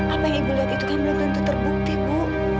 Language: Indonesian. apa yang ibu lihat itu kan belum tentu terbukti bu